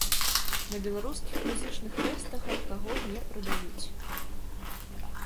На беларускіх музычных фэстах алкаголь не прадаюць.